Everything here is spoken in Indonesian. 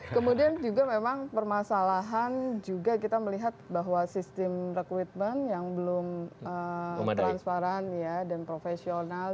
kemudian juga memang permasalahan juga kita melihat bahwa sistem rekrutmen yang belum transparan dan profesional